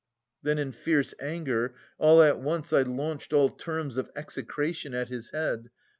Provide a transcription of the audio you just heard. Then in fierce anger all at once I launched All terms of execration at his head.